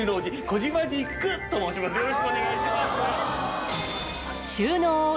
よろしくお願いします。